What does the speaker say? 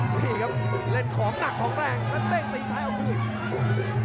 โบวี่ครับเล่นของหนักของแรงและเด้งตีซ้ายออกธูกิน